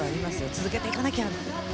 続けていかなきゃ！